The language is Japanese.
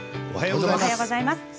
おはようございます。